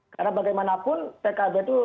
karena bagaimanapun pkb itu